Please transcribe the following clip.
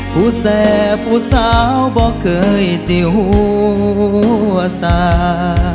ผู้แสบผู้สาวบอกเคยสิหัวสา